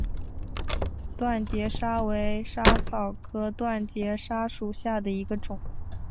断节莎为莎草科断节莎属下的一个种。